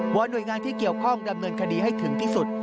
หน่วยงานที่เกี่ยวข้องดำเนินคดีให้ถึงที่สุด